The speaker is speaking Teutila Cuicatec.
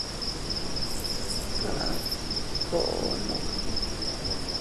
Kaá koo nuuni.